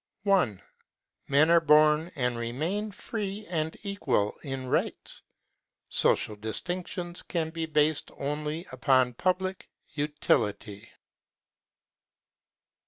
' 1. Men are born and remain free and equal in rights. So cial distinctions can be based only upon public utility.